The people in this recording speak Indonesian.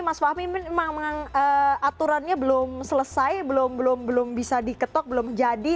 mas fahmi memang aturannya belum selesai belum bisa diketok belum jadi